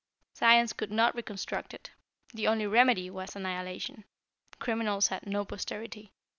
Science could not reconstruct it. The only remedy was annihilation. Criminals had no posterity."